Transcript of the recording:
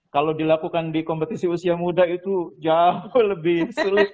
kalau dilakukan di kompetisi usia muda itu jauh lebih sulit